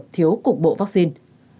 thiếu cục bộ vaccine